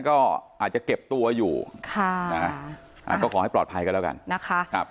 ก็อาจจะเก็บตัวอยู่ก็ขอให้ปลอดภัยกันแล้วกันนะคะ